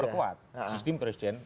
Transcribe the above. memperkuat sistem presiden